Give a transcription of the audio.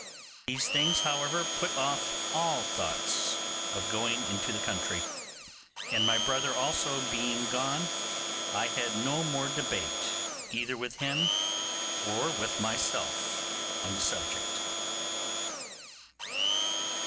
These things, however, put off all my thoughts of going into the country; and my brother also being gone, I had no more debate either with him or with myself on that subject.